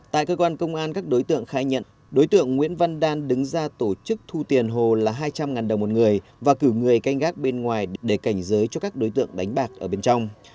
tại cơ quan công an các đối tượng khai nhận đối tượng nguyễn văn đan đứng ra tổ chức thu tiền hồ là hai trăm linh đồng một người và cử người canh gác bên ngoài để cảnh giới cho các đối tượng đánh bạc ở bên trong